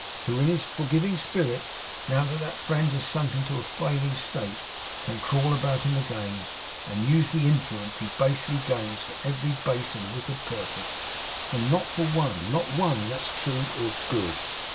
Who, in his forgiving spirit, now that that friend is sunk into a failing state, can crawl about him again, and use the influence he basely gains for every base and wicked purpose, and not for one not one that's true or good?